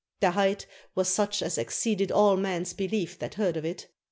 Their height was such as exceeded all men's belief that heard of it.